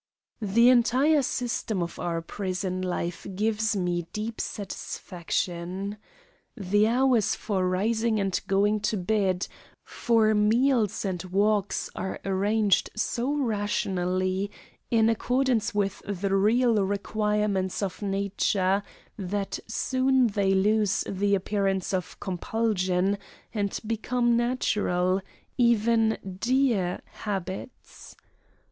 The entire system of our prison life gives me deep satisfaction. The hours for rising and going to bed, for meals and walks are arranged so rationally, in accordance with the real requirements of nature, that soon they lose the appearance of compulsion and become natural, even dear habits.